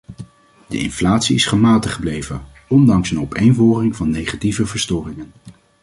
De inflatie is gematigd gebleven, ondanks een opeenvolging van negatieve verstoringen.